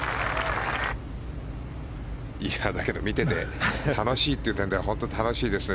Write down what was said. だけど見てて楽しい点でいうと本当楽しいですよね